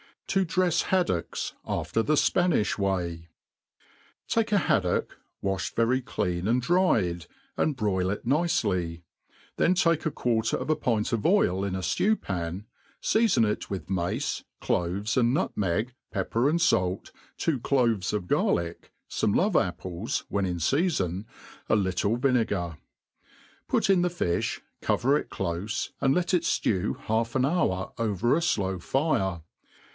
To dnfs Haddocks after the Spanijb TVaj. TAKE a haddock, waihed very clean and dried, and broil it nicely \ then take a quarter of a pint of oil in a ftew^pan^ feafon it with mace, cloves, and nutmeg, pepper and fait, two cloves of garlick, fome love apples, when in feafon, a litfle vinegar ; put in the fi(h, cover it clofe, and let it ftew hstlf an hour over a flow fire.